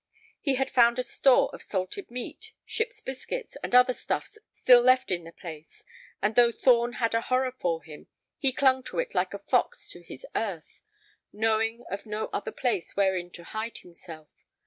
He had found a store of salted meat, ship's biscuits, and other stuffs still left in the place, and though Thorn had a horror for him, he clung to it like a fox to his "earth," knowing of no other place wherein to hide himself.